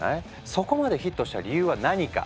そこまでヒットした理由は何か？